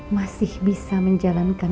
masih bisa menjalankan